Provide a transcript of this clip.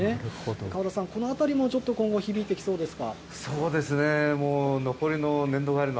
川田さん、このあたりも今後、ちょっと響いてきそうですか。